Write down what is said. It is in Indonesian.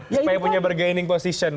supaya punya bergaining position